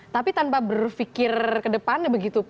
tapi tanpa berpikir ke depannya begitu